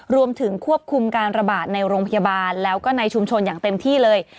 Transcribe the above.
รวมถึงควบคุมการระบาดในโรงพยาบาลแล้วก็ในชุมชนอย่างเต็มที่เลย